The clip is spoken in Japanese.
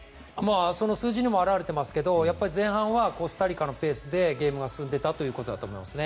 その数字にも表れていますが前半はコスタリカのペースでゲームが進んでいたということだと思います。